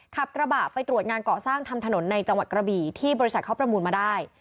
ขับกระบะไปตรวจงานเกาะสร้างทำถนนในจังหวัดกระบี่ที่บริษัทเขาประมูลมาได้